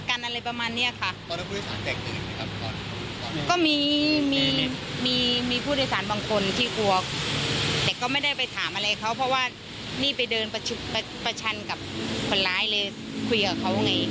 ก็มีมีมีผู้โดยสารบางคนที่กลัวแต่ก็ไม่ได้ไปถามอะไรเขาเพราะว่านี่ไปเดินประชันกับคนร้ายเลยคุยกับเขาไง